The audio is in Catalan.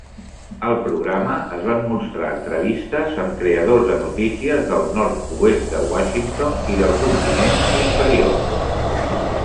Al programa es van mostrar entrevistes amb creadors de notícies del nord-oest de Washington i del continent inferior.